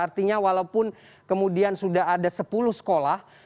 artinya walaupun kemudian sudah ada sepuluh sekolah